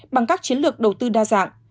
bằng các chiến lược đầu tư đa dạng